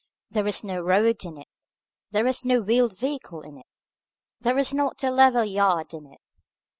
There was no road in it, there was no wheeled vehicle in it, there was not a level yard in it.